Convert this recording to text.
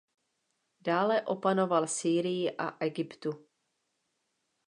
Dále opanoval Sýrii a Egyptu.